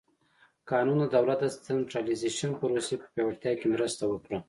قانون د دولت د سنټرالیزېشن پروسې په پیاوړتیا کې مرسته وکړه.